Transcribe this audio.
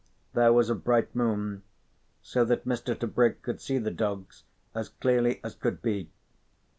There was a bright moon, so that Mr. Tebrick could see the dogs as clearly as could be.